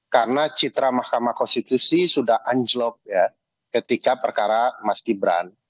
karena citra mahkamah konstitusi sudah anjlok ketika perkara mas gibran